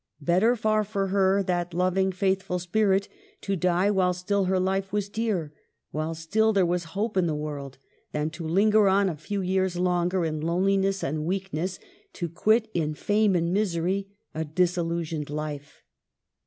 Better far for her, that lov ing, faithful spirit, to die while still her life was dear, while still there was hope in the world, than to linger on a few years longer, in loneli ness and weakness, to quit in fame and misery a disillusioned life.